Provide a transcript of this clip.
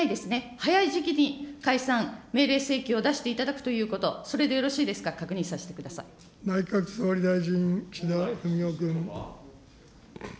早い時期に解散命令請求を出していただくということ、それでよろ内閣総理大臣、岸田文雄君。